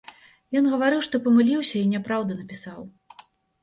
Ён гаварыў, што памыліўся і няпраўду напісаў.